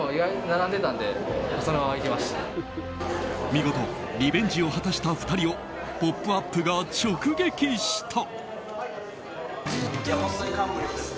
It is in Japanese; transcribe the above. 見事リベンジを果たした２人を「ポップＵＰ！」が直撃した。